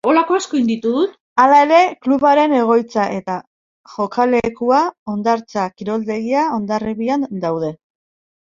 Hala ere klubaren egoitza eta jokalekua Hondartza Kiroldegia Hondarribian daude.